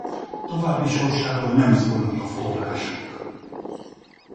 További sorsáról nem szólnak a források.